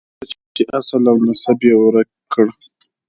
جګړه ده چې اصل او نسب یې ورک کړ.